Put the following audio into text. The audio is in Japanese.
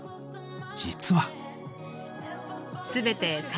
実は。